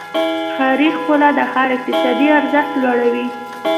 ښاري ښکلا د ښار اقتصادي ارزښت لوړوي.